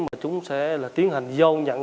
mà chúng sẽ tiến hành giao nhận